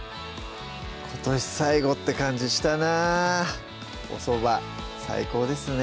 今年最後って感じしたなおそば最高ですね